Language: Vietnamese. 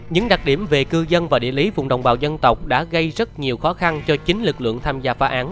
những đặc điểm về cư dân và địa lý vùng đồng bào dân tộc đã gây rất nhiều khó khăn cho chính lực lượng